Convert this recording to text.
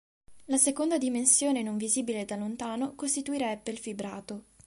La seconda dimensione non visibile da lontano costituirebbe il fibrato.